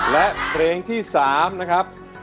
ร้องได้ร้องได้ร้องได้